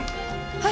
はい。